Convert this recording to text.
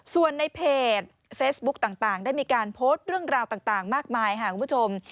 ส่วนในเพจเฟซบุ๊กต่างได้มีการโพสต์เรื่องราวต่างมากมายค่ะคุณผู้ชม